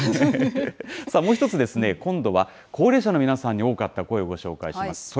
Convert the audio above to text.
さあもう一つ、今度は高齢者の皆さんに多かった声をご紹介します。